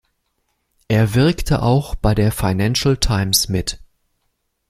Er wirkte auch bei der Financial Times mit.